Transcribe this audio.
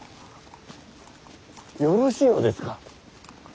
よろしいのですか。